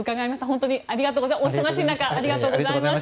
本当にお忙しい中ありがとうございました。